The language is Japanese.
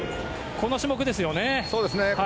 この種目ですよね。